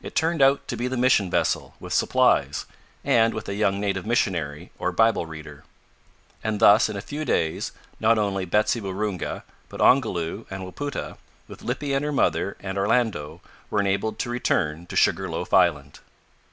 It turned out to be the mission vessel with supplies, and with a young native missionary, or Bible reader; and thus, in a few days, not only Betsy Waroonga, but Ongoloo and Wapoota, with Lippy and her mother and Orlando, were enabled to return to Sugar loaf Island.